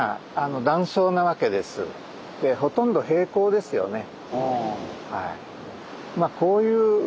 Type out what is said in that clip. ほとんど平行ですよね。